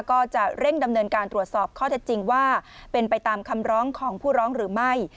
ก็จะเร่งดำเนินการตรวจสอบข้อเท็จจริงว่าเป็นไปตามคำร้องของผู้ร้องหรือไม่